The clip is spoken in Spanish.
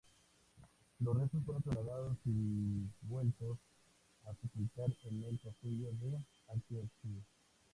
Los restos fueron trasladados y vueltos a sepultar en el Castillo de Akershus.